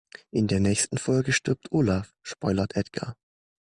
In der nächsten Folge stirbt Olaf, spoilert Edgar.